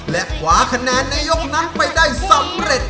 และขวาคะแนนในยกนั้นไปได้สำเร็จ